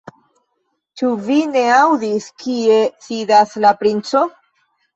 Ĉu vi ne aŭdis, kie sidas la princo?